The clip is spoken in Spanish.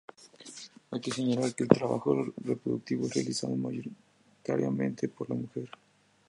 Hay que señalar que el trabajo reproductivo es realizado mayoritariamente por la mujer.